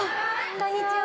こんにちは。